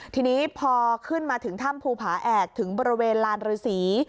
ทีนี้พอขึ้นมาถึงถ้ำภูผาแอกถึงบริเวณลานฤษี